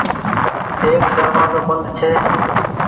ايڪ دروآزو بند ڇي۔